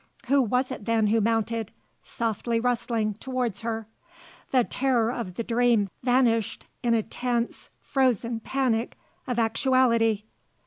Who was it then who mounted, softly rustling, towards her? The terror of the dream vanished in a tense, frozen panic of actuality.